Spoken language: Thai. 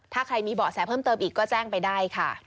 ถ้าใครมีเบาะแสเพิ่มเติมอีกก็แจ้งไปได้ค่ะ